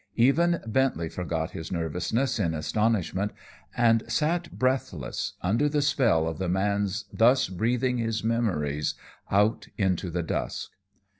Even Bentley forgot his nervousness in astonishment and sat breathless under the spell of the man's thus breathing his memories out into the dusk.